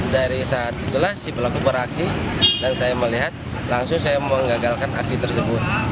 dari saat itulah si pelaku beraksi dan saya melihat langsung saya menggagalkan aksi tersebut